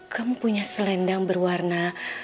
kamu punya selendang berwarna